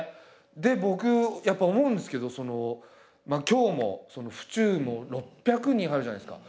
で僕やっぱ思うんですけど今日も府中の６００人入るじゃないですか。